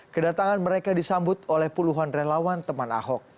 kedatangan mereka disambut oleh puluhan relawan teman ahok